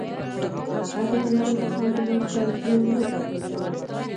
هغه د عمومي اسامبلې ټربیون وټاکل شو